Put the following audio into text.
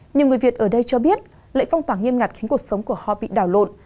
nhiều người việt ở đây cho biết lệnh phong tỏa nghiêm ngặt khiến cuộc sống của họ bị đảo lộn